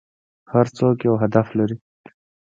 هر څوک یو هدف لري .